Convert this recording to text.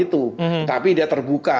tapi dia terbuka